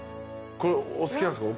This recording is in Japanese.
これお好きなんですか？